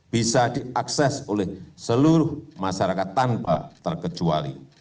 bisa diakses oleh seluruh masyarakat tanpa terkecuali